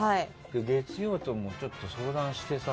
月曜ともちょっと相談してさ。